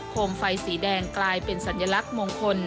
มไฟสีแดงกลายเป็นสัญลักษณ์มงคล